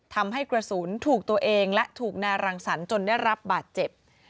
ทำให้กระสุนถูกตัวเองและถูกนายรังสรรคจนได้รับบาดเจ็บ